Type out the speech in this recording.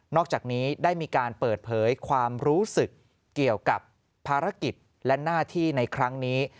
อกจากนี้ได้มีการเปิดเผยความรู้สึกเกี่ยวกับภารกิจและหน้าที่ในครั้งนี้